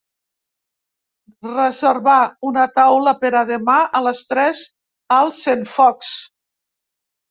Revervar una taula per a demà a les tres al Centfocs.